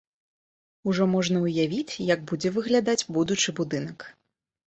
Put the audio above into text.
Ужо можна ўявіць, як будзе выглядаць будучы будынак.